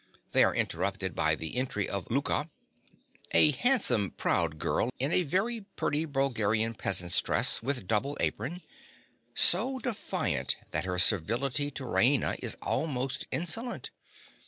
They are interrupted by the entry of Louka, a handsome, proud girl in a pretty Bulgarian peasant's dress with double apron, so defiant that her servility to Raina is almost insolent.